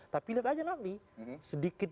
tapi lihat aja nanti sedikit